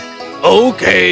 ya mudah sekali